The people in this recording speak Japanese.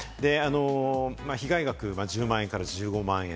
被害額１０万円から１５万円。